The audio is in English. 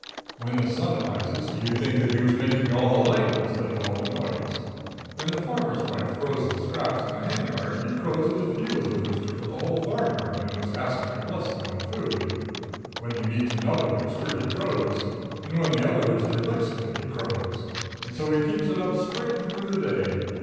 When the sun rises, you'd think that he was making all the light, instead of all the noise; when the farmer's wife throws the scraps in the henyard, he crows as if he was the provider for the whole farmyard and was asking a blessing on the food; when he meets another rooster, he crows; and when the other rooster licks him, he crows; and so he keeps it up straight through the day.